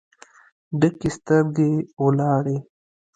ډکې سترګې ولاړې